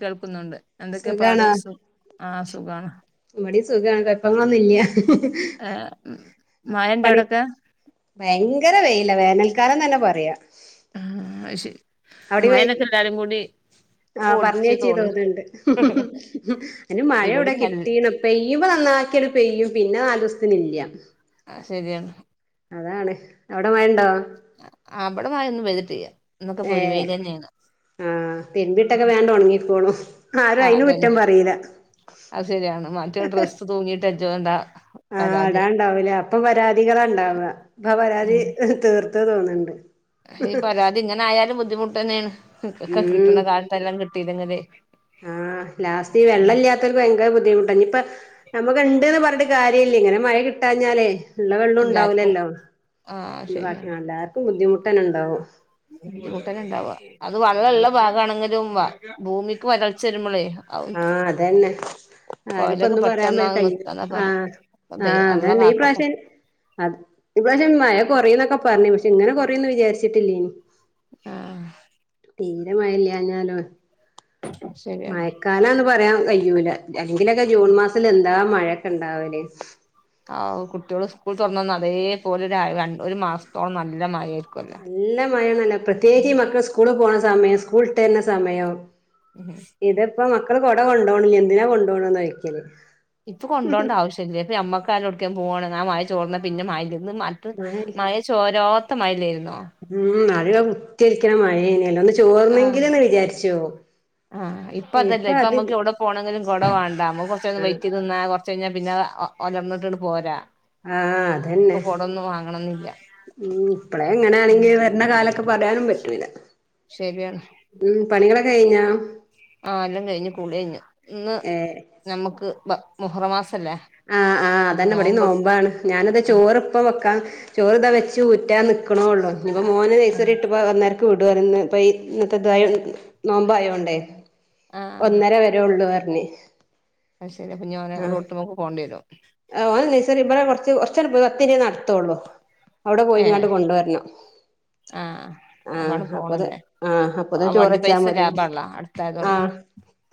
കേൾക്കുന്നുണ്ട് എന്തൊക്കെ പാട് സ മടി സുഖമാണ് കുഴപ്പങ്ങളൊന്നുംല്ല മഴന്റെ അടക്കെ ഭയങ്കര വേയില്ല വേനൽക്കാലം തന്നെ പറയാ ആഹ ശെ മയനക്കെല്ലാരും കൂടി ആഹ പറഞ്ഞ ഓടിച്ചു ചേച്ചീ തോന്നുന്നു തോന്നുന്നുണ്ട് അതിന് മഴ ഇവിടെ ഇവിടിം നല്ല കിട്ടീണ പെയ്യുമ്പോ നന്ന ആാക്കല് പെയ്യും പിന്നെ ആലോത്തിന്ല്ല ആഹ ശരിയാണ് അതാളെ അവിടെ ആയ ഒന്നന്ന് വ്തിട്ട ചെയ്യ എന്നൊക്കെ പൊരുവേ തന്നെെയ്യണ ആ പിെൻ വീട്ടൊക്കെ വേണ്ട ഉണങ്ങിിക്കോണു ആരും ആഹ് അയിന് കുറ്റം അതന്നെ പറയില്ല അത് ശരിയാണ് മറ്റൊരു ഡ്രസ്സ് തൂങ്ങിയിട്ട് അജോ വണ്ടാ ആഹ അടാ ഉണ്ടാവലേ അപ്പൊ പരാതികള ഉണ്ടാവ അപ്പൊ ഉം പരാതി തീർത്ത ഇത തോന്നുന്നുണ്ട് ഈ പരാതി ഇങ്ങനെ ആയാലും ബുദ്ധിമുട്ട് തന്നെയാണ്െ കിട്ടുന്ന ഉം കാലത്തെ എല്ലാം കിട്ടീല്ലങ്ങനെ ആഹ് ലാസ്റ്റ് ഈ വെള്ളം ഇല്ലാത്തവർക്ക് ഭയങ്കര ബുദ്ധിമുട്ട ഇനി ഇപ്പ നമുക്കുണ്ട്ന്ന് പറഞ്ഞിട്ട് കാര്യമില്ലേ ഇങ്ങനെ മഴ കിട്ടാഞ്ഞാലേ ഉള്ള വെള്ളം എല്ലാർക്കും ഉണ്ടാവലല്ലോ ആഹ് അ ബാക്കി എല്ലാവർക്കും ബുദ്ധിമുട്ട് തന്നെ ഉണ്ടാവും കൂട്ടന ഉണ്ടാവാ അത് ആഹ് വെള്ളംമള്ള ഭാഗമാണെങ്കിലും വ ഭൂമിക്ക് വരൾച്ച വരുമ്പോളേ ആഹ അതന്നെ ആരിപ്പ കൊയലൊക്കെ ഒന്നും പറയാൻ പോ പെട്ടെന്നാ കഴ നിർത്താന്നാ പറ ആഹ ദൈ ആഹ് അള്ള അതന്നെ ഈ കാക്കട്ടെ പ്രാവശ്യ അത് ഇപശെ മഴ കൊറ എന്നൊക്കെ പറഞ്ഞു പക്ഷെ ഇങ്ങനെ കൊറന്ന് വിചാരിച്ചിട്ടില്ലേ ഇനി ആഹ തീരമായില്ല അഞ്ഞാലും ശരിയാണ് പറയാൻ കഴിയൂല അല്ലെങ്കിലൊക്കെ ജൂൺ മാസത്തില് എന്താ മഴൊക്കെ ഉണ്ടാവല് ആ കുട്ടികട് സ്കൂൾ തുറന്ന വന്ന് അതേപലെ ര ഒരു മാസത്തോളം നല്ല മ നല്ല മഴണല്ല പ്രത്യേകിച്ച് മക്കൾ സ്കൂള പോണ സമയം സ്കൂൾ ഇട്ട തരുന്ന സമയം ഉം ഇതിപ്പോ മക്കള്ടെ കൊണ്ടുപോണില്ല എന്തിനാ കൊണ്ടുപോണന്ന്ോിക്കല് ഇപ്പൊ കൊണ്ടോണ്ട ആവശ്യമില്ലല്ല ഇപ്പ അമ്മക്കാലോടക്കൻ പോാണ് ാ മായ ചോർന്ന പിന്നെ മായ ഇ മറ്റ മഴ ചോരോത്ത മഴയിലായിരുന്നു ഉം അതിിക കുറ്റരിക്കണ മഴേനെയല്ല ഒന്ന് ചോർന്നെങ്കിലന്ന് ആഹ് വിചാരിച്ചോ ആഹ് ഇപ്പതന്നെ ഇപ്പൊ നമുക്ക് എവിടെ പോണെങ്കിലും കുട വേണ്ട നമ്മ കുറച്ചന്ന് ആഹ് വെറ്റി നിന്നാ കൊറച്ച പിന്നെ ഒലർന്നിട്ടി പോരാ ആഹ് ഇപ്പൊ കൊടൊന്നും വാങ്ങണംന്നില്ല ഉ ഇപ്പഴേ എങ്ങനെയാണെങ്കിൽ വരണ്ട കാലൊക്കെ പറയാനും പറ്റൂില്ല ശരിയാണ് കഴിഞ്ഞ ആ എല്ലാം കഴിഞ്ഞ കൂള കഴിഞ്ഞു ഇന്ന് ഏഹ് നമ്മുക്ക് മഹറമാസ ആഹ് ആഹ് അതന്നെ അടി നോമ്പാണ് ഞാന ഇത് ചോറ്പ്പ വെക്കാം ചോറ് ഇതാ വെ ചൂറ്റാ നിക്കക്കണള്ളൂ ഇപ്പപ്പോ മോന കൈസറി ഇട്ട് വന്നേരം വിടു പറന്ന് പ ഇന്നത്തെ ഇതായ നോമ്പയോണ്ടേ ആഹ് ഒന്നര വരെ ഉള്ളു പറഞ്ഞ അത് ശരിപ്പ ഞാൻ റൂട്ട്ക്ക് പോണ്ടി വരോ ഇ കൊറച്ച് കൊറച്ച ഒത്തിരിേ നടത്തുള്ളൂ അവിടെ പോയി ഇങ്ങാട്ട് കൊണ്ടുവരണം ആഹ ആഹ് അതാണ് അപ്പൊത് പോണല്ലേ ആഹ് ആ അപ്പൊത്തിന് വണ്ടി ചോറെച്ചാ പൈസ ലാഭള്ള അടുത്തായതൊണ്ട്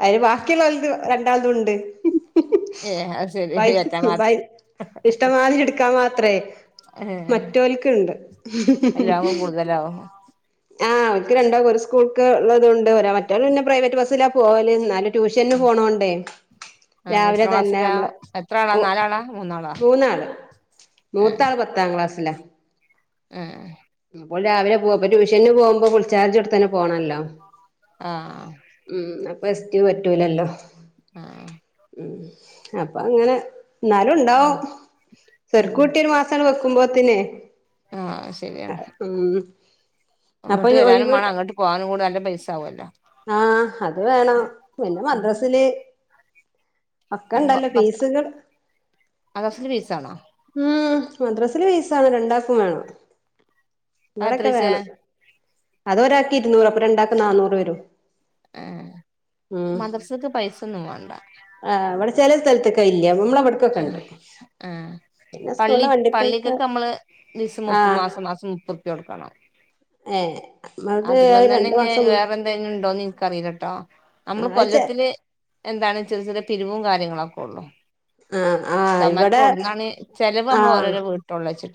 അന് ബാക്കിയുള്ള വലത് രണ്ടാമതും ഉണ്ട് ഏ അ ശരിക്ക ഇഷ്ടമാതി എടുക്കാ മാത്രേ ഏഹ് മറ്റവൽക്കുണ്ട് എല്ലാകുമ്പോ കൂടുതലാവും ആഹ അവക്ക് രണ്ടാ ഒരു സ്കൂൾക്ക ഉള്ളതുകൊണ്ട് മറ്റ് പിന്നെ പ്രൈവറ്റ് ബസ്സിലാ പോവല് എന്നാല ട്യൂഷന് പോണോണ്ടേ ആഹ് രാവിലെ എത്ര തന്നെ ക്ലാസ്സിലാ നമ്മള് എത്ര ആളാ ഓ നാലാളാ മൂന്നാളാ മൂന്നാള് മൂത്താള് പത്താം ക്ലാസ്സിലാ ഉം അപ്പോൾ രാവിലെ പോവപ്പോ ട്യൂഷന് പോകുമ്പോൾ വിളിച്ചാർജ് അടുത്ത തന്ന പോണമല്ലോ ആഹ ഉം അപ്പൊ എസ്റ്റ പറ്റൂലല്ലോ ആഹ ഉ അപ്പൊ അങ്ങനെ എന്നാലും ഉം ഉണ്ടാവും ചെരുക്കൂട്ടി ഒരു മാസ നക്കുമ്പോത്തിനെ ആഹ ശരിയാണ് അപ്പൊ അങ്ങോട്ട് ഈ വരാനും ഒഴിവ് മേ അങ്ങോട്ട് പോകാനും കൂട നല്ല പൈസ ആകുമല്ലോ ആഹ അത് വേണം പിന്നെ മദ്രസില് അക്ക ഇണ്ടല്ലോ പത്ത് ഫീസുകൾ മദ്രസിന്റെ ഫീസാണോ ഉം മദ്രാസില് പെയസാണ് രണ്ടാാക്കും വേണം അത് ഇവിടൊക്കെ എത്രേച്ചാ വേണം അതൊരാക്കി ഇരുന്നൂറ അപ്പ രണ്ടാക്ക നന്നൂറ് വരും ആഹ് ഉ മദ്രസക്ക് പൈസൊന്നും വേണ്ട ആഹ അവിടെ ചില സ്ഥലത്തൊക്കെ ഇല്ല നമ്മള അവിടക്കൊ കണ്ടു ആഹ് പള്ളി പള്ളിക്കൊക്കെ നമ്മള് ദിവസം മുപ്പ മാസം മാസം മുപ്പറുപ്പ്യ കൊടുക്കണം ഏ അതിപ തന്നെ ഇ വേറെ എന്തന്നും ഉണ്ടോന്ന് എനക്ക്റിയിലട്ടോ നമ്മള് ആഹ് അത് ചെ കൊല്ലത്തില് എന്താണ് ചെറ ചെറ പിരിവും കാര്യങ്ങളൊക്കെ ഉള്ളൂ ആഹ് ആഹ് ഇമാപ്പ ഇവിടെ ഇടുന്നാണ് ചിലവ് നമ്മള് ആഹ് ഓരോരോ വീട്ടള്ള വച്ചിട്ട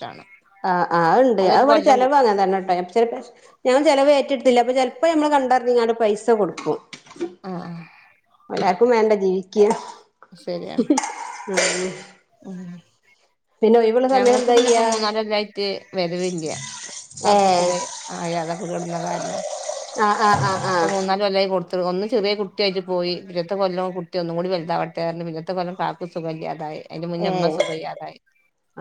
ആഹ് ആ ഉണ്ട് അ ഇവിടെ ചിലവ് അങ്ങാൻ തന്നെട്ടെ ഞാൻ ചിലവ പത്തില്ല അപ്പൊ ചെപ്പോ ഞമ്മള് കണ്ടരങ്ങ പൈസ കൊടുക്കും ആഹ ആ എല്ലാവർക്കും വേണ്ട ജീവിക്കുക ശരിയാണ് മ ഉ സമയം ഞങ്ങൾക്ക് എന്താ പിന്നെ ഇപ്പ ചെയ്യാ മൂന്നാാല എല്ലായിട്ട് വരവില്ല സക്ഷു സുഖ ഏഹ് ആ യാതൊക്ക കടുന്ന കാര്യം ആഹ ആഹ് ആഹ് ആഹ കൊല്ലായി കൊടുത്ത് ഒന്ന് ചെറിയ കുട്ടിയായിട്ട് പോയി പിന്നത്തെ കൊല്ലം കുട്ടിയ ഒന്നും കൂടി വലുതാവട്ടൊയിരുന്നു പിന്നച്ചത്തെ കൊല്ലം കാക്കക്ക് സുഖമല്ലാതായി അതിന്റെ മുന്നമ്മ ഏഹ് സുഖയാതായി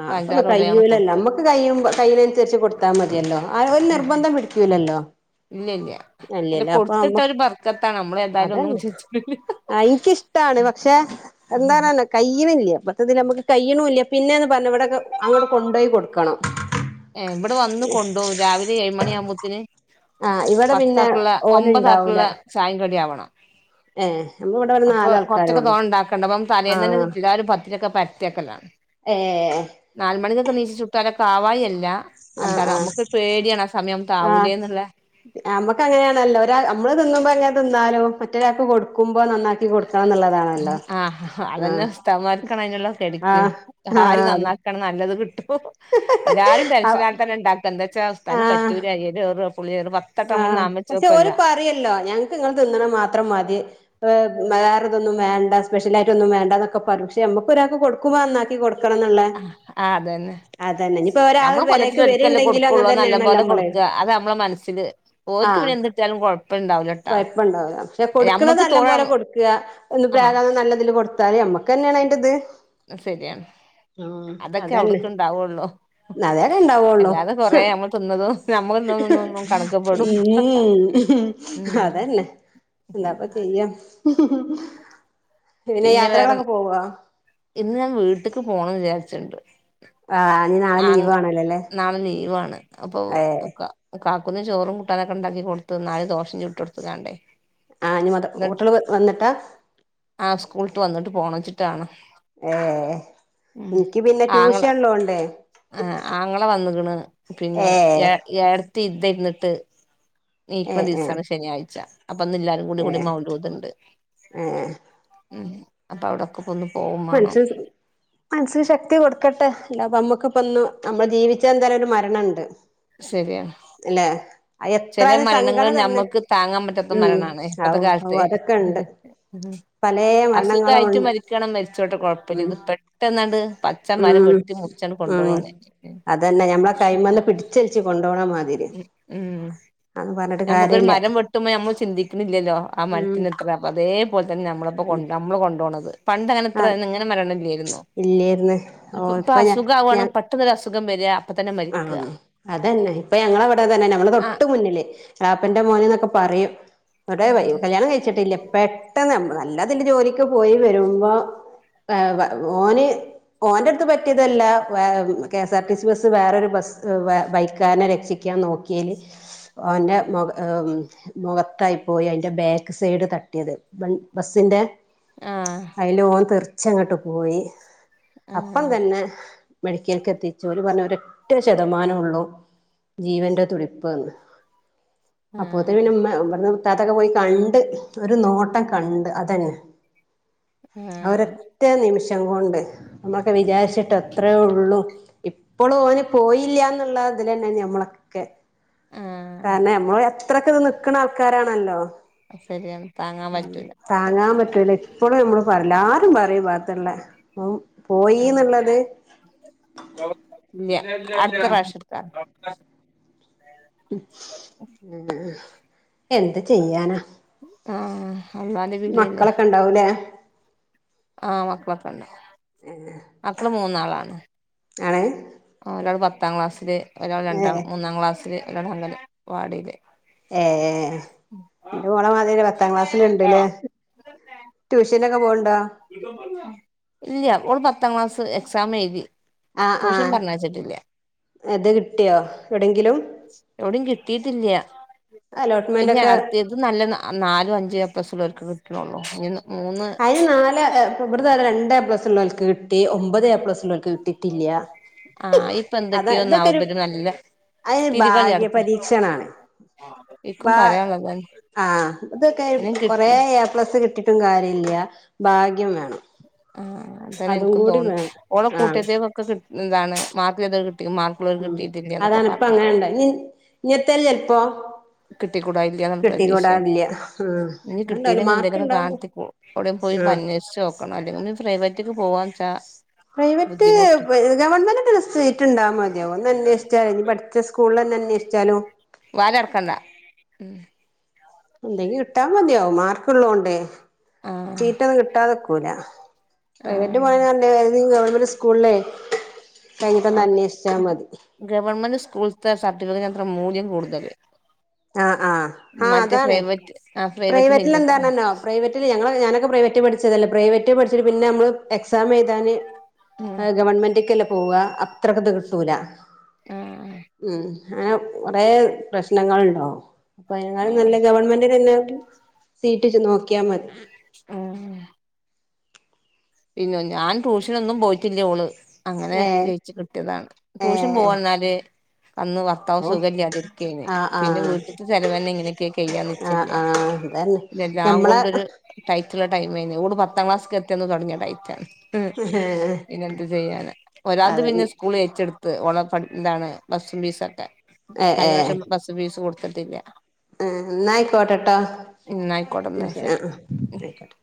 ആഹ് അപ്പൊന്ന കയ്യൂലല്ലോ നമ്മുക്ക് കയ്യുമ കയ്യിനുസരിച്ച് കൊടുത്താൽ മതിയല്ലോ ആ ഒരു ആഹ് നിർബന്ധം പിടിക്കൂല്ലോ ഇല്ല ഇല്ല അല്ല അപ്പൊ കൊടുത്തിട്ട അമ്മ ഒരു വർക്കത്താണ് നമ്മള് എന്തായാലും ഒന്നും അതന്നെ ചച്ചില്ല എന്താരന്ന കയ്നില്ലയ ഇപ്പത്തതിൽ നമുക്ക് കയ്യണല്ല പിന്നെന്ന് പറഞ്ഞ ഇവിടെക്കെ അങ്ങോട്ട കൊണ്ടപോയി കൊടുക്കണം ഇവിടെ വന്നു കൊണ്ടു പോ രാവിലെ ഏഴ മണി ആവുമ്പോത്തിന് ആഹ് ഇവിടെ പിന്നെ പത്താക്കുള്ള ഓല് ഇണ്ടാവൂല ഒമ്പതാക്കുള്ള ചായങ്കടിി ആവണം ഏഹ് നമ്മള് ഇവിടെ ഒരു അപ്പൊ നാലാൾക്കാരേ കൊറച്ചൊക്കെ ഉള്ളു തോണ ഉണ്ടാക്കണ്ട അപ്പം തലേന്ന് തന്നെ കിട്ടില്ല ഒരു പത്ത് ഇതിരൊക്കെ പറ്റേക്കലാണ് ഏ നീശി ചുട്ടാല ക ആാവായില്ല ആഹ് എന്താ ആഹ് നമുക്ക് പേടിയാണ് ആ സമയം താവൂലേന്നുള്ള നമുക്ക് അങ്ങനെയാണല്ലോ ഒരാ നമ്മള് തിന്നുമ്പോ അങ്ങനെ തിന്നാലോ മറ്റൊരാൾക്ക് കൊടുക്കുമ്പോ നന്നാക്കി കൊടുക്കണം എന്നുള്ളതാണല്ലോ ആ അതന്നെ ആഹ് സ്ഥമാരിക്കണംുള്ള കെടറ്റ് ആഹ് ആഹ് അതെ നന്നാക്കണം നല്ലത് കട്ട എല്ലാരും ടെൻഷന ആൽ തന്നെ ഉണ്ടാക്ക എന്താ വച്ചാ അവസ്ഥാനും പറ്റൂലല് ആ പക്ഷെ ഒരു പറയല്ലോ ഞങ്ങക്ക് ഇങ്ങൾ തിന്നണ മാത്രം മതി വേറെ ഇതൊന്നും വേണ്ട സ്പെ്യലയിട്ട ഒന്നും വേണ്ട എന്നൊെ പക്ഷ നമുക്ക് ഒരാക്ക് കൊടുക്കോ എന്നാക്കി കൊടുക്ക നക്കണംന്ന ആഹ് അതന്നെ അതന്നെ ഇനിപ്പോൊ ഒരാൾ നമ്മള് കൊല്ലത്തില് വരക്ക്െ ഒരിക്കല്ലേ വരുണ്ടെങ്കിലും അങ്ങനെ കൊടുക്കുള്ളൂ നല്ല തന്നെയാണല്ലോ പോലെ നമ്മള് കൊടുക്കുക അത് നമ്മളെ മനസ്ൽ ഓർക്ക് പിെ എന്ത്രിച്ചാലുംഴ കുഴപ്പുണ്ടാവില്ല പക്ഷെ ഞമ്മക്ക് കൊടുക്കണതെല്ലാം തോണ പോലെ കൊടുക്കുക ഒന്ന് ആഹ് പ്രഗംം നല്ലതില് കൊടുത്താാലേ നമ്മക്ക് തന്നെയാണ് അയി്ത് ശരിയ ഉ അതന്നെതൊക്കെ ഇണ്ടാവള്ളോ അല്ലാതെ കൊറേ നമ്മൾ തിന്നതും നമ്മൾ തിന്നതൊന്നും കണക്ക് പെടും ഉ ഉം അതല്ലെ എന്താപ്പൊ ചെയ്യാം പിന്നെ വേറെ ഇന്ന് ഞാൻ വീട്ടക്ക് പോണം വിചാരിച്ചട്ടുണ്ട് ആഹ ആ നാളെ ലീവാണ് ഏഹ് അപ്പൊക്ക കാക്കുന്നന്ന് ചോറും കട്ടാനൊക്കെ ഉണ്ടാക്കി കൊടുത്ത എന്നാലല് ദോഷം ചുട്ട കൊടുത്തതാണ്ടേ ആഹ് ഇനി മത എന്നിട്ട് കുട്ടികള് വന്നിട്ടാ ആ സ്കൂളട്ട് വന്നിട്ട് പോണ വെച്ചിട്ടാണ് ഏ എനിക്ക് പിന്നെ ട്യൂഷൻള്ളത്ോണ്ടേ ആഹ ആങ്ങളെ വന്നണ് പിന്നെ ഏഹ് ഏ ടത്ത് ഇത് ഇരുന്നിട്ട് നീക്കമ ഏഹ് ഏഹ് ദിവസമാണ് ശനിയാഴ്ച അപ്പന്ന് എല്ലാരും കൂടി കൂടി ഏഹ് മൗലോത്ണ്ട് ഏഹ് ഉ അപ്പ അവിടെക്കെ മനന് മനസ്സിന് ശക്തി കൊടുക്കട്ടെ അല്ല അപ്പ നമ്മുക്ക് ഇപ്പൊന്ന് നമ്മള് ജീവിച്ചാൻ തന്നെ ഒരു മരണുണ്ട് ശരിയാണ് ചില എത്രായാലും മരണങ്ങൾ സങ്കടം തന്നെ നഞമ്മുക്ക് താങ്ങാൻ പറ്റാത്ത ഉം മരണാണ് ഔ ഇപ്പത്തെ ഔ കാലത്ത് അതൊക്കെ ഉണ്ട് പലേ മരണങ്ങളും അസുഖായിട്ട് ഉണ്ട് മരിക്കണം മരിച്ചോട്ടെ കൊഴപ്പില്ല ഉം ഇത് പെട്ടെന്നാണ്ട് പച്ച മരം ഉം വെട്ടി മുച്ചന ഉം കൊണ്ടുപോവാണ് അതന്നെ ഞമ്മളെ കൈമന്ന് പിടിച്ചലിച്ച് ഉ ഉം അത് പറല നമ്മുക്കൊരു മരം വെട്ടുമ്പോ നമ്മൾ ചിന്തിക്കുന്നില്ലല്ലോ ആ ഉം മരത്തിന് എത്ര അപ്പൊ അതേപലെ തന്നെ നമ്മളപ്പോൊ കൊ നമ്മള് കൊണ്ടപോ പണ്ട അങ്ങനെത്ര ആഹ് ഇങ്ങനെ മരണല്ലോയിരുന്നു ഇല്ലേര്ന്ന് ഓ ഇപ്പൊ ഇപ്പ അസുഖ ആവുകാണ് പെട്ടെന്ന്ൊസുഖ അസുഖം വരി ആഹ അതന്നെ ഇപ്പൊ ഞങ്ങള അവിടെ തന്നെ ഞമ്മൾ ആ തൊട്ട് മുന്നില്േ രാപ്പന്റെ മോന എന്നൊക്കെ പറയും അവിടെ കല്യാണം കഴിച്ചിട്ടില്ലേ പെട്ടെന്ന് ന നല്ലതില് ജോലിക്ക് പോയി വരുമ്പോ ഓന് ഓന്റെ അടുത്ത് പറ്റിയതല്ല K S R T C bus വേറരു ബൈക്കാരനെ രക്ഷിക്കാൻ നോക്കിയൽ അവ്റെ മുഖത്തായി പോയി അതിന്റെ ബാക്ക് സൈഡ് തട്ടിയത് ബസിന്റെ ആഹ് അതില ഓൻ തീർച്ചങ്ങോട്ട് പോയി അപ്പം ആഹ് തന്നെ മെഡിക്കലൽ എത്തിച്ചച്ച് അവ പറഞ്ഞഞ് ഒരു എറ്റ ശതമാനം ഉള്ളൂ ജീവറെ തുടിപ്പ്ന്ന് അപ്പോത്തെ ആഹ് പിന്നെമ്മ ഇവിന്ന് ചാത്തൊക്കെ പോയി കണ്ട് ഒരു നോട്ടം കണ്ട് അതന്നെ ആഹ് അവരൊറ്റ നിമിഷം കൊണ്ട് നമ്മക്കെ വിചാരിച്ചിട്ട് എത്രയേ ഉള്ളൂ എപ്പോളും ഓന് പോയില്ല എന്നുള്ള അതില തന്നെ ഞമ്മളൊക്കെ ആഹ് കാരണം നമ്മൾ ഇത്രക്കത് നൽക്കണ ആൾക്കാരാണല്ലോ ശരിയ താങ്ങാൻ പറ്റൂല ഇപ്പോള നമ്മള് പറല ആരും പറയും പാത്തള്ള ആ പോയിന്നുള്ളത് ഇല്ല അടുത്ത വാവഷ്യത്ത എന്ത് ചെയ്യാനാ ആഹ് അൽമാതി വിളില്ലേ മക്കളൊക്കെ ഉണ്ടാവൂലേ ആഹ് വക്കമാക്കണ്ട മക്കള് മൂന്നാളാണ് ആണ് ഒരാള് പത്താം ക്ലാസ്സില് ഒരാൾ ഏ രണ്ടാം മൂന്നാം ക്ലാസ്സിൽ ഒരാട അങ്കൽ വാടിയിൽ ഏഹ് എന്റെ മോളമാതിെ പത്താം ക്ലാസ്സിലുണ്ട്ല്ലേ ട്യൂഷനൊക്കെ പോണ്ടോ ഇല്ല ഒരുഓള് പത്താം ക്ലാസ് എക്സാം എഴുതി ആ ആ ട്യൂഷൻ പറഞ്ഞ വച്ചിട്ടില്ല ഇത് കിട്ടിയോ എവിടെങ്കിലും എവിടയും കിട്ടീയിട്ടില്ല പി അലോട്ട്മെന്റ് ഒക്കെ അടുത്തത് നല്ല നാലും അഞ്ച പ്ലസ്സുള്ളവർക്ക് കിക്കണള്ളോ ഇന്ന് അയിന് നാല് പ്രൃത രണ്ടേ പ്ലസ് ഉള്ളവക്ക് കിട്ടി ഒമ്പത് പ്ലസ് ഉള്ളവക്ക് കിട്ടി ആഹ ഇപ്പൊ എന്തൊക്കെയോ നാവപര് നല്ല അതിന് തിരികളി നടത്തി ഭാഗ്യപരീക്ഷണാണ് ഇക്കും പറയാനുള്ളതാണ് ആഹ് ഇതൊക്കെ ഇനി കൊറെ കിട്ട എ പ്ലസ് കിട്ടി ഒട്ടും കാര്യ ഇല്ല ഭാഗ്യം വേണം ആഹ അതന്നെ അതും എനിക്കും കൂടി തോന്നുന്നു വേണം ഓടെ ആ കൂട്ടത്തേക്കൊക്കെ കിട്ട ഇതാണ് മാത്രമേ അത കിട്ട മാർക്കൾ ഉം കിട്ടിയിട്ടില്ല എന്നൊക്കെ അതാണ് ഇപ്പ പറഞ്ഞിണ്ടു അങ്ങനെണ്ട ഇനി ഇങ്ങനത്തേൽ ചെലപ്പോ കിട്ടിക്കൂടാ ഇല്ല എന്നുള്ള പ്രദേീശയാണ് കിട്ടിക്കൂടാറില്ല ആഹ് നനി അത്ണ്ടാവൂല കിട്ടില്ലെങ്ക മാർക്ക് എന്തേലുംെ ഇണ്ടാവും കാത്തിവിട പോയി ആഹ് പന്നച്ച് നോക്കണംോ അല്ലെങ്കിൽീ ഫ്രൈറ്റ ഇട്ടക്ക് പോ അച പ്രൈവറ്റ് ഗവൺമെന്റണ്ടാ മതിയോ ഒന്ന് അന്വേഷ പഠൂ അന്വേഷിച്ചാലോ വാല ഇറക്കണ്ടാ ഉ എന്തെങ്കി കിട്ടാ മതിയാോ മാർക്കള്ളോൊണ്ടേ ആഹ് ചീറ്റൊന്നും കിട്ടാതെക്കൂല ആഹ് പ്രൈവറ്റ് [unintelligible] സ്കൂളേ അ ഗവർമെന്റ് സ്കൂൾത്തെ സർട്ടിഫിക്കറ്റ് അത്ര മൂല്യം കൂടുതല്. ആഹ് ആഹ് ആഹ് മറ്റേ അതാണ്. പ്രൈവറ്റ് ആഹ് പ്രൈവറ്റിൽ പ്രൈവറ്റിനില്ല അത്ര എന്താണല്ലോ പ്രൈവറ്റില് ഞങ്ങള ഞാനൊക്കെ പ്രൈവറ്റ് പഠിച്ചതല്ല പ്രൈവറ്റ് പഠിച്ചിട്ട് പിന്നെ നമ്മള് എക്സാം എഴുതാന് ഉം ഗവൺമെന്റ പോവ അത്രക്കത് കിട്ടൂല ആഹ് ഉം. അങ്ങനെ കുറേ പ്രശ്നങ്ങളുണ്ടാവും അപ്പ [unintelligible] ആഹ് നല്ല ഗവൺമെന്റ് തന്നെ സീറ്റ് ഇജ്ജ് നോക്കിയാ മതി. ഉം. പിന്നെ ഞാൻ ട്യൂഷനൊന്നും പോയിട്ടില്ലേ ഓള് അങ്ങനെ ഏ ജയിച്ച് കിട്ടിയതാണ് ഏ ട്യൂഷൻ പോവാ എന്നാല് അന്ന് ഭർത്താവ് ഓ സുഖമില്ലാതിരിക്കന് ആഹ് പിന്നെ ആഹ് വീട്ടത്ത് ചെലവ തന്നെ ഇങ്ങനെയൊക്കെയ കെയ്യാന്ന് ആഹ് നിച്ചല്ല. ആഹ് അതന്നെ പിന്നെല്ലാം ഞമ്മളെ കൊണ്ടൊരു ടൈറ്റുള്ള ടൈം ആയിരുന്നു ഓട് പത്താം ക്ലാസ് എത്തന്ന് തുടങ്ങിയ ഏഹ് പിന്നെന്ത് ചെയ്യാനാ ഒരാളത് അതെ പിന്നെ സ്കൂള്ച്ചടു ഓണ ഇതാണ് ബസ് ഫീസ് ഒക്കെ ഏഹ് കഴിഞ്ഞ ഏഹ് വർഷം ബസ് ഫീസ് കൊടുത്തിട്ടില്ല. ആഹ് എന്നയിക്കോട്ടെട്ടോ ഉം ന്നാ ആയിക്കോട്ടെ ന്ന ന്നാ ശെ ശരി അഹ് അഹ് ആയിക്കോട്ടെ.